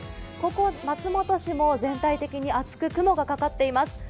ここ松本市も全体的に厚く雲がかかっています。